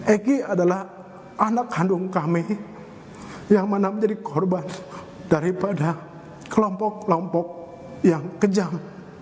eki adalah anak kandung kami yang mana menjadi korban daripada kelompok kelompok yang kejam